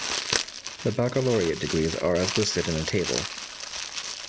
The baccalaureate degrees are as listed in the table.